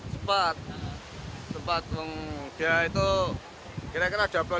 sempat melepas para sepuluh